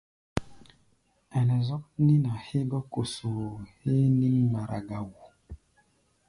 Ɛnɛ zɔ́k nín-a hégɔ́ kosoo héé nín-mgbara ga wo.